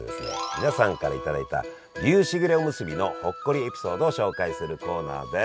皆さんから頂いた牛しぐれおむすびのほっこりエピソードを紹介するコーナーです！